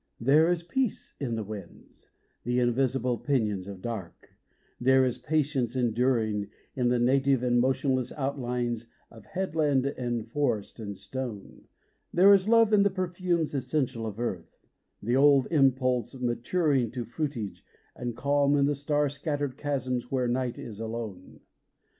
There is peace in the winds, the invisible pinions of dark, there is patience enduring In the native and motionless outlines of headland and for est and stone, There is love in the perfumes essential of earth, the old impulse maturing To fruitage, and calm in the star scattered chasms where night is alone.